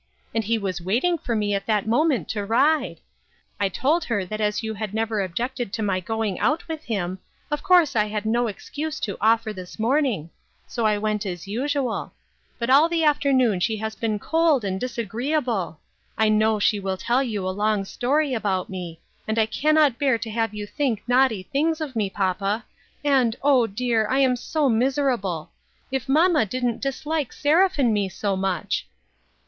And he was waiting for me at that moment to ride. I told her that as you had never objected to my going out with him, of course I had no excuse to offer this morning ; so I went as usual ; but all the afternoon she has been cold and disagreeable ; I know she will tell you a long story about me ; and I cannot bear to have you think naughty things of me, papa ; and, O dear ! I am so miserable. If mamma didn't dislike Seraph and me so much